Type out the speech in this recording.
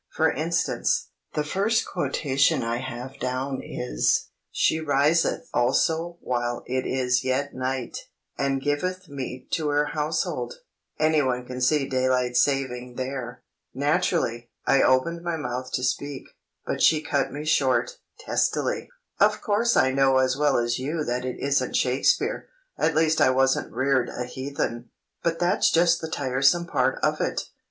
For instance, the first quotation I have down is— 'She riseth also while it is yet night, and giveth meat to her household' —anyone can see Daylight Saving there——" Naturally, I opened my mouth to speak, but she cut me short, testily: "Of course I know as well as you that it isn't Shakespeare—at least I wasn't reared a heathen!—but that's just the tiresome part of it.